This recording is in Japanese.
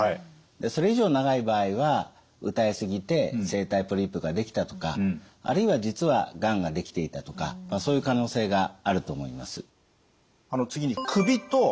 でそれ以上長い場合は歌い過ぎて声帯ポリープができたとかあるいは実はがんができていたとかそういう可能性があると思います。